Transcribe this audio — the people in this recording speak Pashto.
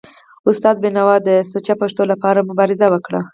استاد بینوا د سوچه پښتو لپاره مبارزه وکړه.